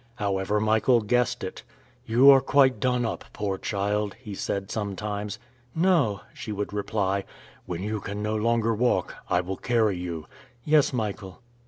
However, Michael guessed it. "You are quite done up, poor child," he said sometimes. "No," she would reply. "When you can no longer walk, I will carry you." "Yes, Michael."